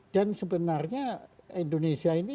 dan sebenarnya indonesia ini